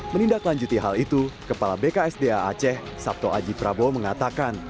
menindaklanjuti hal itu kepala bksda aceh sabto aji prabowo mengatakan